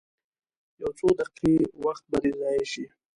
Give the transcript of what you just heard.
یو څو دقیقې وخت به دې ضایع شي.